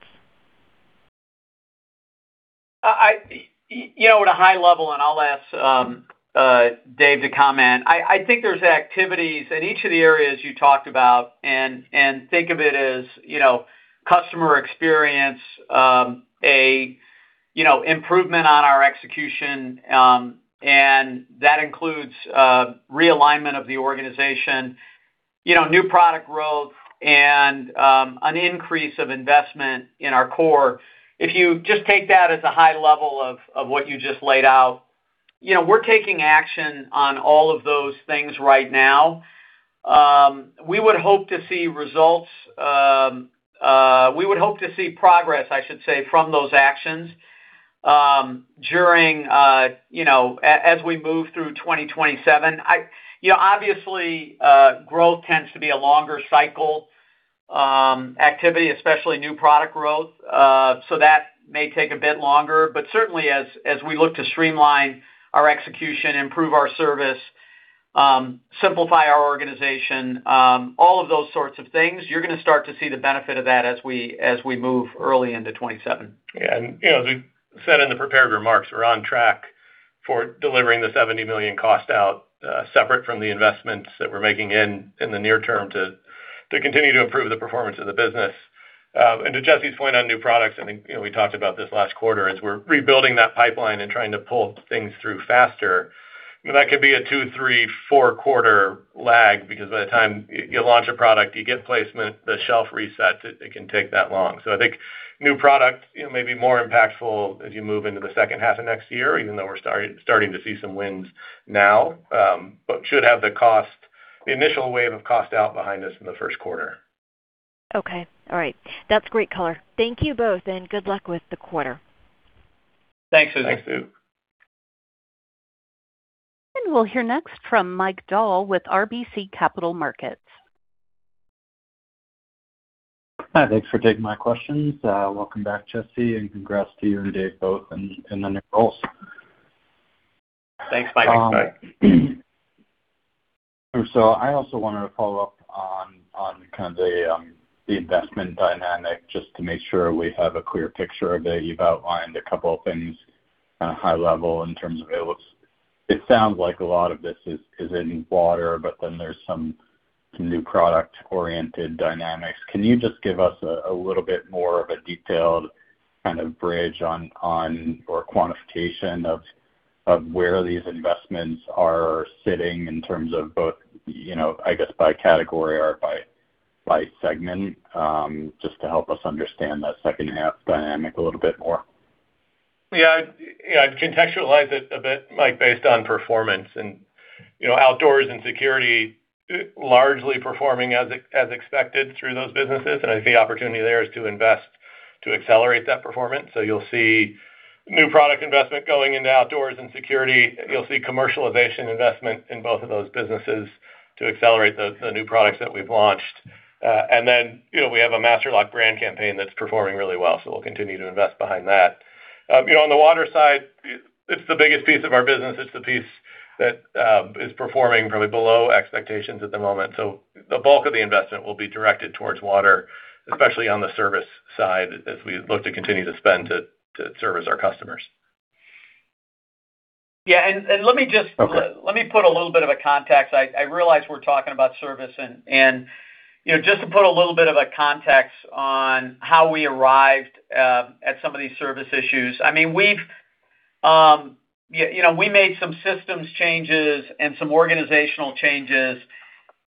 At a high level, I'll ask Dave to comment, I think there's activities in each of the areas you talked about, and think of it as customer experience, improvement on our execution. That includes realignment of the organization, new product growth, and an increase of investment in our core. If you just take that as a high level of what you just laid out, we're taking action on all of those things right now. We would hope to see progress from those actions as we move through 2027. Obviously, growth tends to be a longer cycle activity, especially new product growth. That may take a bit longer, but certainly as we look to streamline our execution, improve our service, simplify our organization, all of those sorts of things, you're going to start to see the benefit of that as we move early into 2027. Yeah. As we said in the prepared remarks, we're on track for delivering the $70 million cost out, separate from the investments that we're making in the near term to continue to improve the performance of the business. To Jesse's point on new products, I think we talked about this last quarter, as we're rebuilding that pipeline and trying to pull things through faster, that could be a two, three, four-quarter lag because by the time you launch a product, you get placement, the shelf resets, it can take that long. I think new product may be more impactful as you move into the second half of next year, even though we're starting to see some wins now. Should have the initial wave of cost out behind us in the first quarter. Okay. All right. That's great color. Thank you both. Good luck with the quarter. Thanks, Sue. Thanks, Sue. We'll hear next from Mike Dahl with RBC Capital Markets. Hi. Thanks for taking my questions. Welcome back, Jesse, and congrats to you and Dave both in the new roles. Thanks, Mike. I also wanted to follow up on kind of the investment dynamic just to make sure we have a clear picture of it. You've outlined a couple of things kind of high level in terms of it sounds like a lot of this is in water, but then there's some new product-oriented dynamics. Can you just give us a little bit more of a detailed kind of bridge on, or quantification of where these investments are sitting in terms of both by category or by segment? Just to help us understand that second half dynamic a little bit more. Yeah. I'd contextualize it a bit, Mike, based on performance and Outdoors and Security largely performing as expected through those businesses. I think the opportunity there is to invest to accelerate that performance. You'll see new product investment going into Outdoors and Security. You'll see commercialization investment in both of those businesses to accelerate the new products that we've launched. Then, we have a Master Lock brand campaign that's performing really well, so we'll continue to invest behind that. On the Water side, it's the biggest piece of our business. It's the piece that is performing probably below expectations at the moment. The bulk of the investment will be directed towards water, especially on the service side, as we look to continue to spend to service our customers. Yeah. Okay. Let me put a little bit of a context. I realize we're talking about service, just to put a little bit of a context on how we arrived at some of these service issues. We made some systems changes and some organizational changes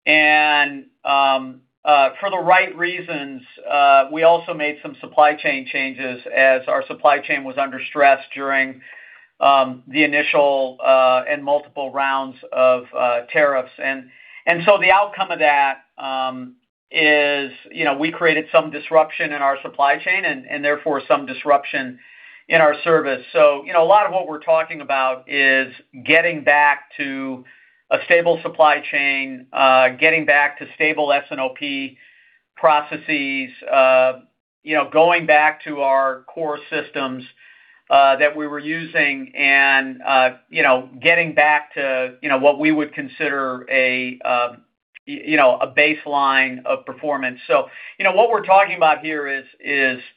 and for the right reasons. We also made some supply chain changes as our supply chain was under stress during the initial and multiple rounds of tariffs. The outcome of that is we created some disruption in our supply chain and therefore some disruption in our service. A lot of what we're talking about is getting back to a stable supply chain, getting back to stable S&OP processes, going back to our core systems that we were using and getting back to what we would consider a baseline of performance. What we're talking about here is it's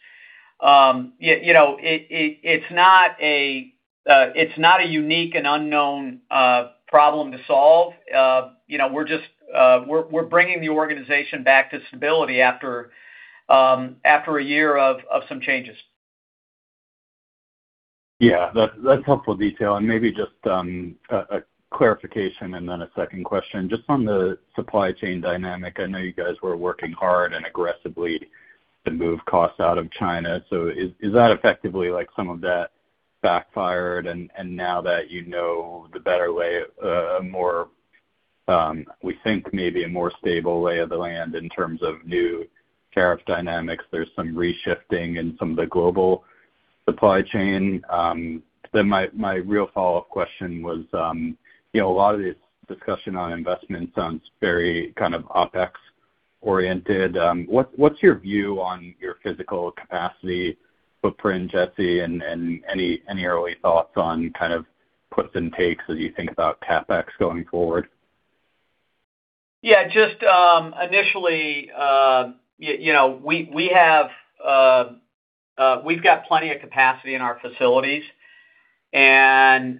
not a unique and unknown problem to solve. We're bringing the organization back to stability after a year of some changes. Yeah. That's helpful detail. Maybe just a clarification and then a second question. Just on the supply chain dynamic, I know you guys were working hard and aggressively to move costs out of China. Is that effectively like some of that backfired and now that you know the better way, we think maybe a more stable way of the land in terms of new tariff dynamics, there's some re-shifting in some of the global supply chain. My real follow-up question was, a lot of this discussion on investment sounds very kind of OpEx oriented. What's your view on your physical capacity footprint, Jesse, and any early thoughts on kind of puts and takes as you think about CapEx going forward? Initially, we've got plenty of capacity in our facilities, and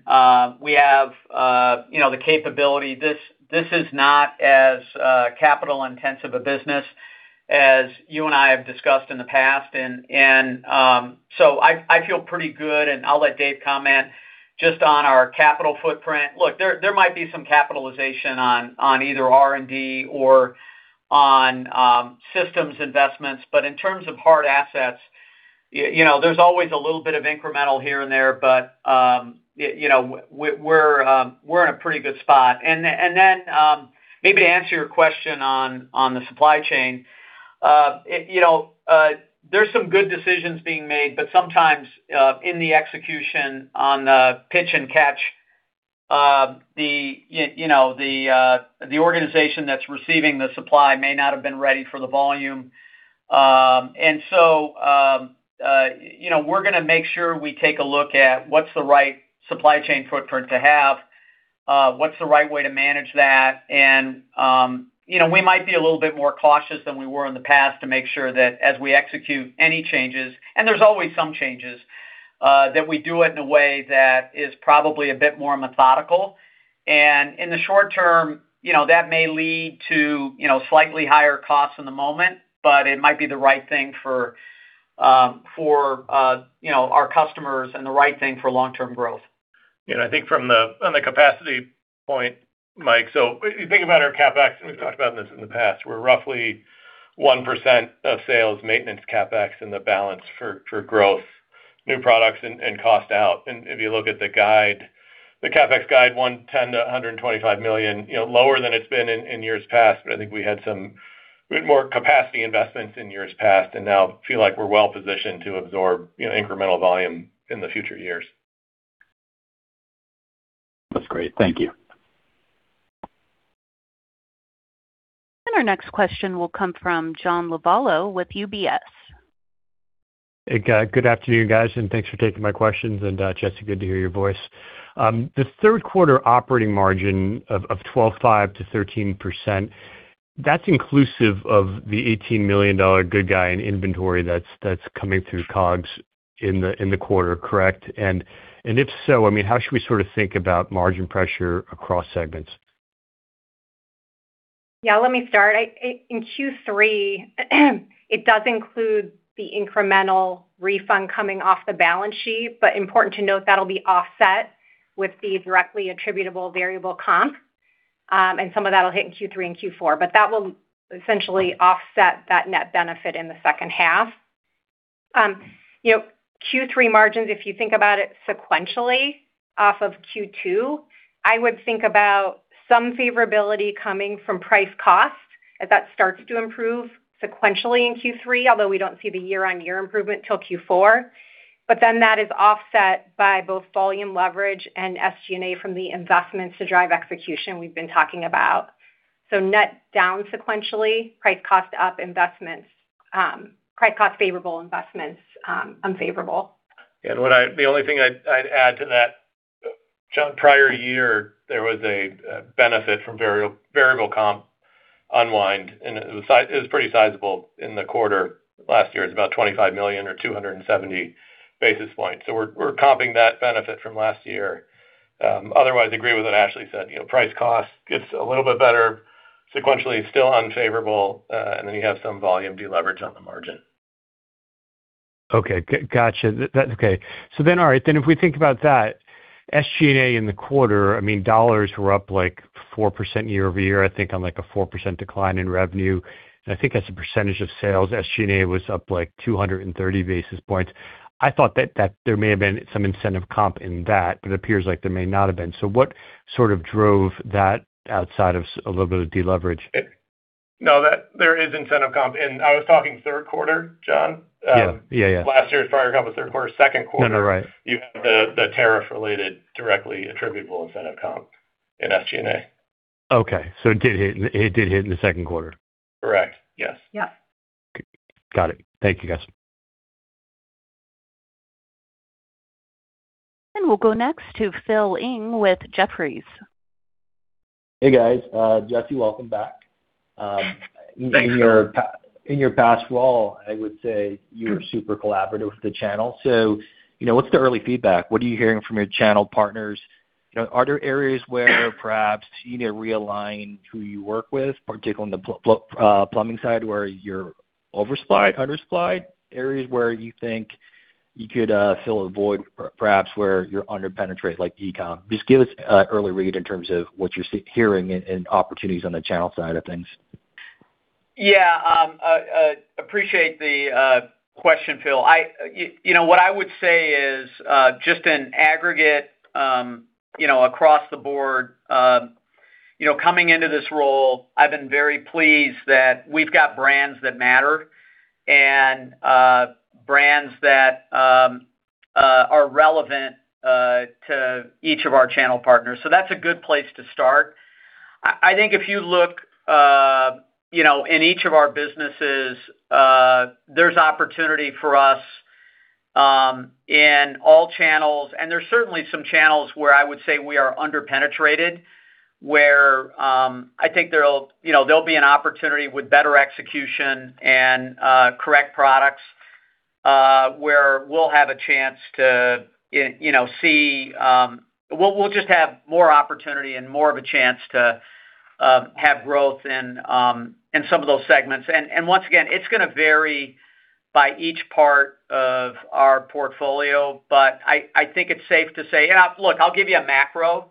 we have the capability. This is not as capital-intensive a business as you and I have discussed in the past. I feel pretty good, and I'll let Dave comment just on our capital footprint. Look, there might be some capitalization on either R&D or on systems investments, but in terms of hard assets, there's always a little bit of incremental here and there, but we're in a pretty good spot. Maybe to answer your question on the supply chain. There's some good decisions being made, but sometimes, in the execution on the pitch and catch, the organization that's receiving the supply may not have been ready for the volume. We're going to make sure we take a look at what's the right supply chain footprint to have, what's the right way to manage that, and we might be a little bit more cautious than we were in the past to make sure that as we execute any changes, and there's always some changes, that we do it in a way that is probably a bit more methodical. In the short term, that may lead to slightly higher costs in the moment, but it might be the right thing for our customers and the right thing for long-term growth. I think on the capacity point, Mike, if you think about our CapEx, and we've talked about this in the past, we're roughly 1% of sales maintenance CapEx in the balance for growth, new products, and cost out. If you look at the guide, the CapEx guide $110 million-$125 million, lower than it's been in years past. I think we had more capacity investments in years past and now feel like we're well-positioned to absorb incremental volume in the future years. That's great. Thank you. Our next question will come from John Lovallo with UBS. Hey, good afternoon, guys, and thanks for taking my questions. Jesse, good to hear your voice. The third quarter operating margin of 12.5%-13%, that's inclusive of the $18 million good guy in inventory that's coming through COGS in the quarter, correct? If so, how should we sort of think about margin pressure across segments? Yeah, let me start. In Q3, it does include the incremental refund coming off the balance sheet, but important to note, that'll be offset with the directly attributable variable comp. Some of that'll hit in Q3 and Q4. That will essentially offset that net benefit in the second half. Q3 margins, if you think about it sequentially off of Q2, I would think about some favorability coming from price cost as that starts to improve sequentially in Q3, although we don't see the year-on-year improvement till Q4. That is offset by both volume leverage and SG&A from the investments to drive execution we've been talking about. Net down sequentially, price cost up investments. Price cost favorable, investments unfavorable. The only thing I'd add to that, John, prior year, there was a benefit from variable comp unwind, and it was pretty sizable in the quarter last year. It was about $25 million or 270 basis points. We're comping that benefit from last year. Otherwise, agree with what Ashley said. Price cost gets a little bit better sequentially. It's still unfavorable, you have some volume deleverage on the margin. Okay, gotcha. All right, if we think about that SG&A in the quarter, dollars were up 4% year-over-year, I think on a 4% decline in revenue. I think as a percentage of sales, SG&A was up 230 basis points. I thought that there may have been some incentive comp in that, but it appears like there may not have been. What sort of drove that outside of a little bit of deleverage? No, there is incentive comp. I was talking third quarter, John. Yeah. Last year's prior comp was third quarter. Second quarter- No, right. you have the tariff-related directly attributable incentive comp in SG&A. Okay. It did hit in the second quarter? Correct. Yes. Yeah. Got it. Thank you, guys. We'll go next to Phil Ng with Jefferies. Hey, guys. Jesse, welcome back. Thanks, Phil. In your past role, I would say you were super collaborative with the channel. What's the early feedback? What are you hearing from your channel partners? Are there areas where perhaps you need to realign who you work with, particularly on the plumbing side, where you're oversupplied, undersupplied? Areas where you think you could fill a void perhaps where you're under-penetrated, like e-com. Just give us an early read in terms of what you're hearing in opportunities on the channel side of things. Yeah. Appreciate the question, Phil. What I would say is, just in aggregate, across the board, coming into this role, I've been very pleased that we've got brands that matter and brands that are relevant to each of our channel partners. That's a good place to start. I think if you look in each of our businesses, there's opportunity for us in all channels, and there's certainly some channels where I would say we are under-penetrated, where I think there'll be an opportunity with better execution and correct products, where we'll just have more opportunity and more of a chance to have growth in some of those segments. Once again, it's going to vary by each part of our portfolio. I think it's safe to say, look, I'll give you a macro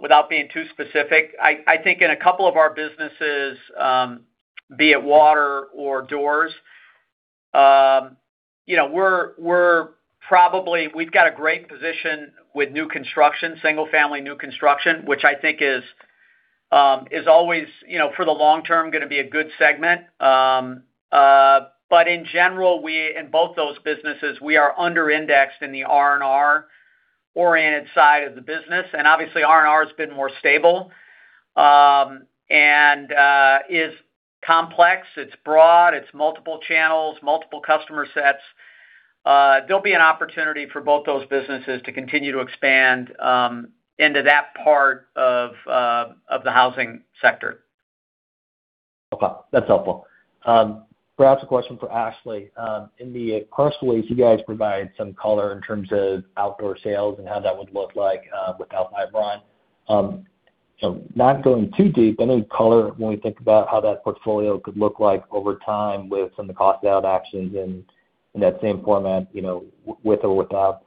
without being too specific. I think in a couple of our businesses, be it Water Innovations or doors, we've got a great position with new construction, single-family new construction, which I think is always, for the long term, going to be a good segment. In general, in both those businesses, we are under-indexed in the R&R-oriented side of the business. Obviously, R&R has been more stable, and is complex, it's broad, it's multiple channels, multiple customer sets. There'll be an opportunity for both those businesses to continue to expand into that part of the housing sector. Okay. That's helpful. Perhaps a question for Ashley. In the past few weeks, you guys provided some color in terms of Outdoors sales and how that would look like without Fiberon. Not going too deep, any color when we think about how that portfolio could look like over time with some of the cost-out actions in that same format with or without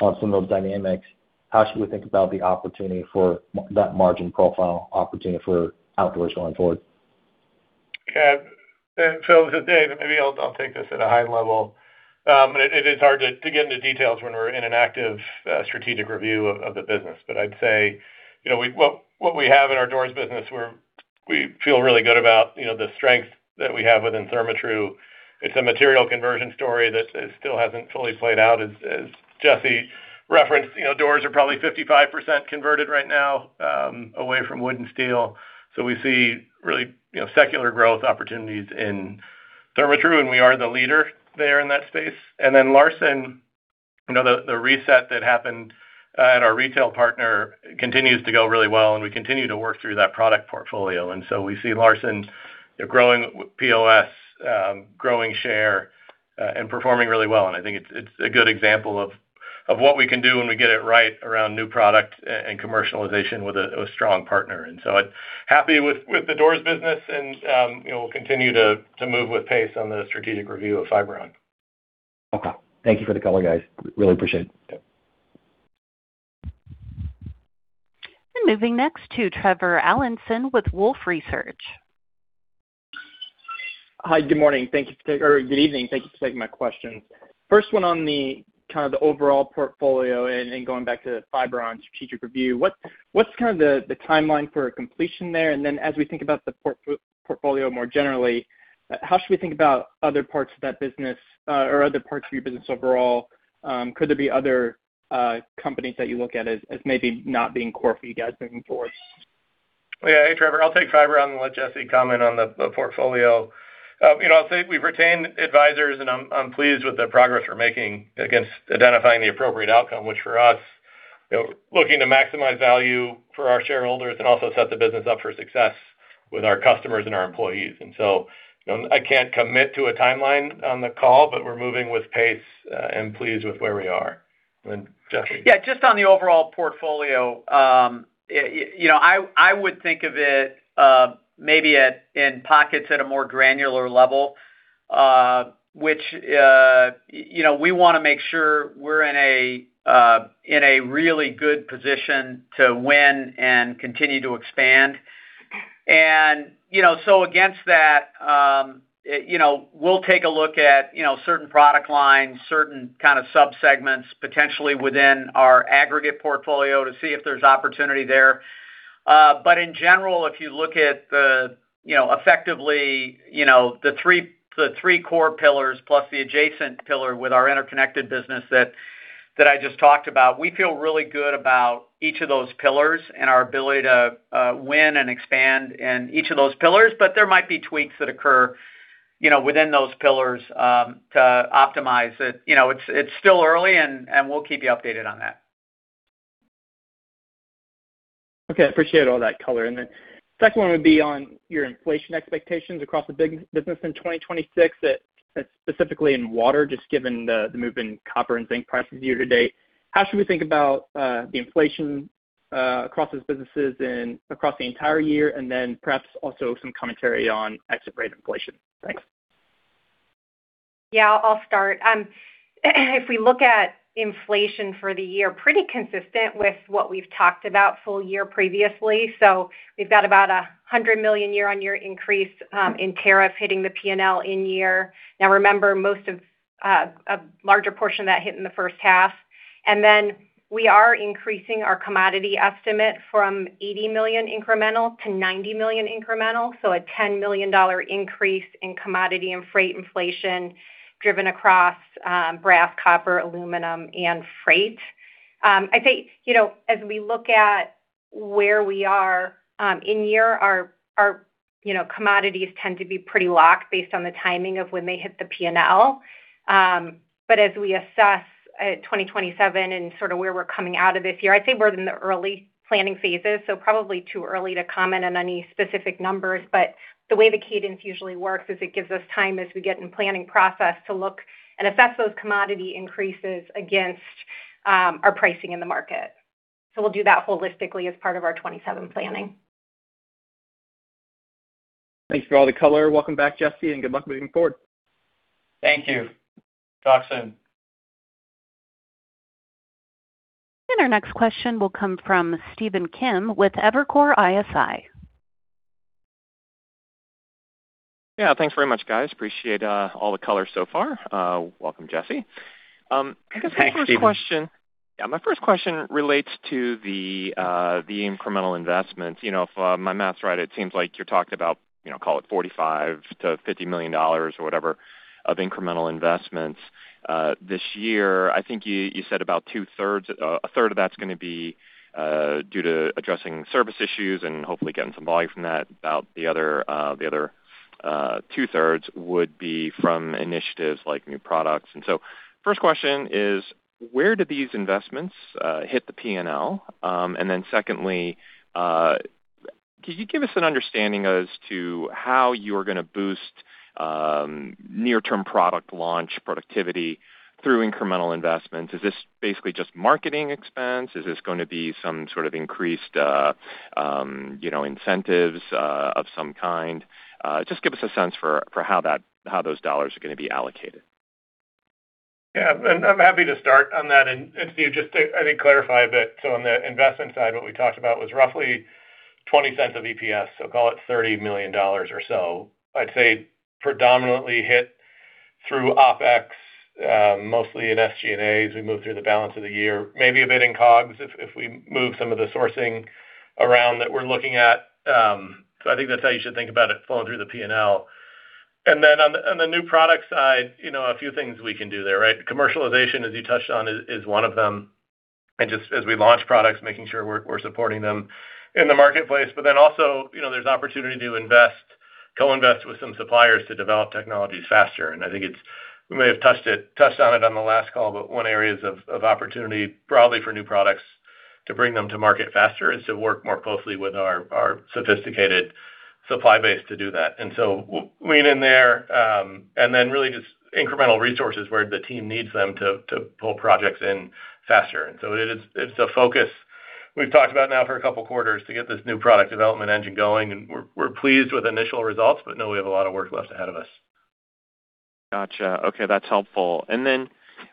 some of those dynamics, how should we think about the opportunity for that margin profile opportunity for Outdoors going forward? Yeah. Dave. Maybe I'll take this at a high level. It is hard to get into details when we're in an active strategic review of the business. I'd say, what we have in our doors business, we feel really good about the strength that we have within Therma-Tru. It's a material conversion story that still hasn't fully played out. As Jesse referenced, doors are probably 55% converted right now away from wood and steel. We see really secular growth opportunities in Therma-Tru, and we are the leader there in that space. Then Larson, the reset that happened at our retail partner continues to go really well, and we continue to work through that product portfolio. We see Larson growing POS, growing share, and performing really well. I think it's a good example of what we can do when we get it right around new product and commercialization with a strong partner. So happy with the doors business, and we'll continue to move with pace on the strategic review of Fiberon. Okay. Thank you for the color, guys. Really appreciate it. Yeah. Moving next to Trevor Allinson with Wolfe Research. Hi. Good morning. Or good evening. Thank you for taking my questions. First one on the kind of overall portfolio and going back to the Fiberon strategic review, what's kind of the timeline for completion there? Then as we think about the portfolio more generally, how should we think about other parts of that business, or other parts of your business overall? Could there be other companies that you look at as maybe not being core for you guys moving forward? Yeah. Hey, Trevor. I'll take Fiberon and let Jesse comment on the portfolio. I'll say we've retained advisors, and I'm pleased with the progress we're making against identifying the appropriate outcome, which for us, looking to maximize value for our shareholders and also set the business up for success with our customers and our employees. I can't commit to a timeline on the call, but we're moving with pace, and pleased with where we are. Jesse? Yeah, just on the overall portfolio. I would think of it maybe in pockets at a more granular level, which we want to make sure we're in a really good position to win and continue to expand. Against that, we'll take a look at certain product lines, certain kind of subsegments, potentially within our aggregate portfolio to see if there's opportunity there. In general, if you look at the effectively the three core pillars plus the adjacent pillar with our interconnected business that I just talked about, we feel really good about each of those pillars and our ability to win and expand in each of those pillars. There might be tweaks that occur within those pillars to optimize it. It's still early, and we'll keep you updated on that. Okay. Appreciate all that color. Second one would be on your inflation expectations across the business in 2026, specifically in Water, just given the movement in copper and zinc prices year-to-date. How should we think about the inflation across those businesses and across the entire year, and then perhaps also some commentary on exit rate inflation. Thanks. Yeah, I'll start. If we look at inflation for the year, pretty consistent with what we've talked about full year previously. We've got about $100 million year-over-year increase in tariff hitting the P&L in year. Now remember, a larger portion of that hit in the first half. We are increasing our commodity estimate from $80 million incremental to $90 million incremental. A $10 million increase in commodity and freight inflation driven across brass, copper, aluminum, and freight. I'd say, as we look at where we are in year, our commodities tend to be pretty locked based on the timing of when they hit the P&L. As we assess 2027 and sort of where we're coming out of this year, I'd say we're in the early planning phases, so probably too early to comment on any specific numbers. The way the cadence usually works is it gives us time as we get in the planning process to look and assess those commodity increases against our pricing in the market. We'll do that holistically as part of our 2027 planning. Thanks for all the color. Welcome back, Jesse, and good luck moving forward. Thank you. Talk soon. Our next question will come from Stephen Kim with Evercore ISI. Yeah. Thanks very much, guys. Appreciate all the color so far. Welcome, Jesse. Thanks, Stephen. My first question relates to the incremental investments. If my math's right, it seems like you're talking about, call it $45 million-$50 million or whatever of incremental investments this year. I think you said about a third of that's going to be due to addressing service issues and hopefully getting some volume from that. About the other two-thirds would be from initiatives like new products. First question is, where do these investments hit the P&L? Secondly, could you give us an understanding as to how you are going to boost near-term product launch productivity through incremental investments? Is this basically just marketing expense? Is this going to be some sort of increased incentives of some kind? Just give us a sense for how those dollars are going to be allocated. Yeah. I'm happy to start on that. Stephen, just to, I think, clarify a bit. On the investment side, what we talked about was roughly $0.20 of EPS, so call it $30 million or so. I'd say predominantly hit through OpEx, mostly in SG&A as we move through the balance of the year. Maybe a bit in COGS if we move some of the sourcing around that we're looking at. I think that's how you should think about it flowing through the P&L. On the new product side, a few things we can do there, right? Commercialization, as you touched on, is one of them. Just as we launch products, making sure we're supporting them in the marketplace. Also, there's opportunity to co-invest with some suppliers to develop technologies faster. I think we may have touched on it on the last call, but one area of opportunity, broadly for new products to bring them to market faster, is to work more closely with our sophisticated supply base to do that. Lean in there, then really just incremental resources where the team needs them to pull projects in faster. It's a focus we've talked about now for a couple of quarters to get this new product development engine going, and we're pleased with initial results, but know we have a lot of work left ahead of us. Got you. Okay. That's helpful.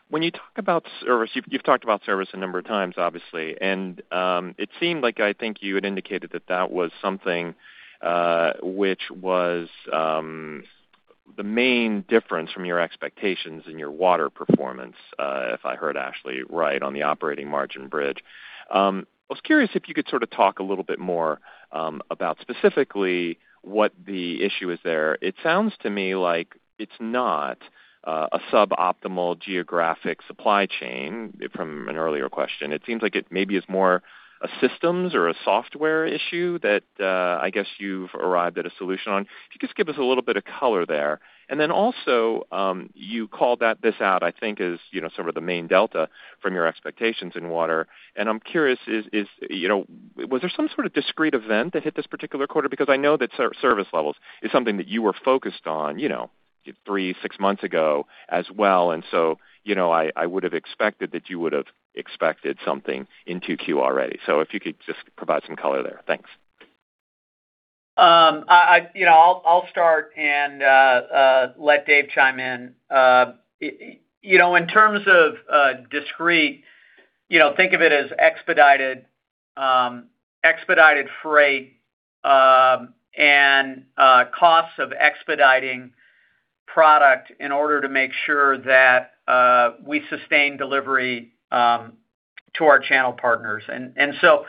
When you talk about service, you've talked about service a number of times, obviously. It seemed like, I think you had indicated that that was something which was the main difference from your expectations in your Water performance, if I heard Ashley right on the operating margin bridge. I was curious if you could sort of talk a little bit more about specifically what the issue is there. It sounds to me like it's not a suboptimal geographic supply chain from an earlier question. It seems like it maybe is more a systems or a software issue that I guess you've arrived at a solution on. If you could just give us a little bit of color there. Also, you called this out, I think as some of the main delta from your expectations in Water. I'm curious, was there some sort of discrete event that hit this particular quarter? Because I know that service levels is something that you were focused on three, six months ago as well. I would have expected that you would have expected something in 2Q already. If you could just provide some color there. Thanks. I'll start and let Dave chime in. In terms of discrete, think of it as expedited freight and costs of expediting product in order to make sure that we sustain delivery to our channel partners. We're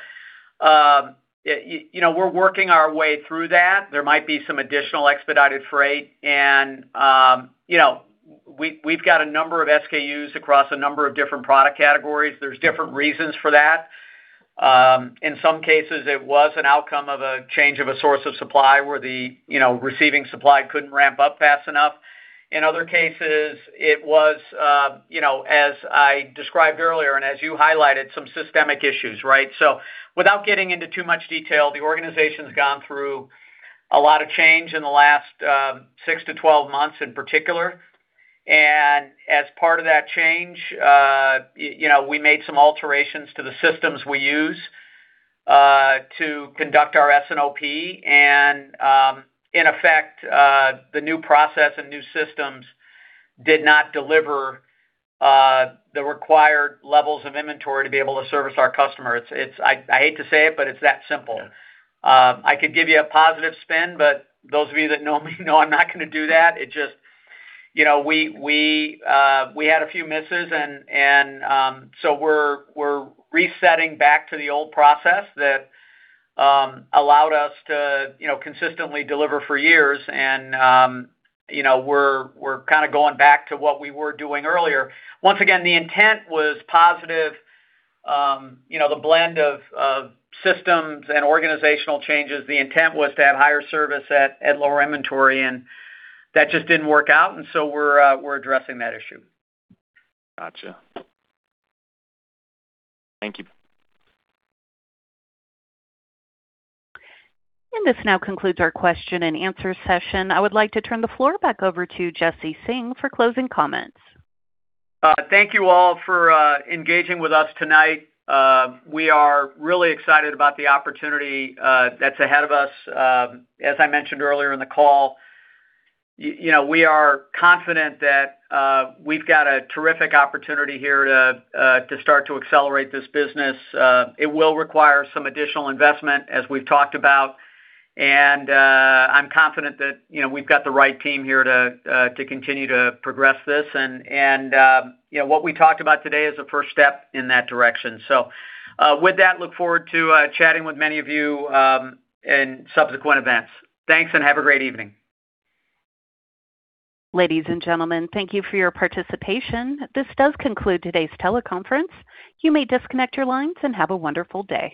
working our way through that. There might be some additional expedited freight, and we've got a number of SKUs across a number of different product categories. There's different reasons for that. In some cases, it was an outcome of a change of a source of supply where the receiving supply couldn't ramp up fast enough. In other cases, it was, as I described earlier and as you highlighted, some systemic issues, right? Without getting into too much detail, the organization's gone through a lot of change in the last 6-12 months in particular. As part of that change, we made some alterations to the systems we use to conduct our S&OP. In effect, the new process and new systems did not deliver the required levels of inventory to be able to service our customers. I hate to say it, but it's that simple. Yeah. I could give you a positive spin, those of you that know me know I'm not going to do that. We had a few misses, so we're resetting back to the old process that allowed us to consistently deliver for years. We're going back to what we were doing earlier. Once again, the intent was positive. The blend of systems and organizational changes, the intent was to have higher service at lower inventory, that just didn't work out. So we're addressing that issue. Got you. Thank you. This now concludes our question and answer session. I would like to turn the floor back over to Jesse Singh for closing comments. Thank you all for engaging with us tonight. We are really excited about the opportunity that's ahead of us. As I mentioned earlier in the call, we are confident that we've got a terrific opportunity here to start to accelerate this business. It will require some additional investment, as we've talked about, and I'm confident that we've got the right team here to continue to progress this. What we talked about today is a first step in that direction. With that, look forward to chatting with many of you in subsequent events. Thanks, and have a great evening. Ladies and gentlemen, thank you for your participation. This does conclude today's teleconference. You may disconnect your lines, and have a wonderful day.